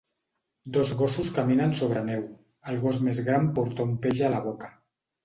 Dos gossos caminen sobre neu. El gos més gran porta un peix a la boca.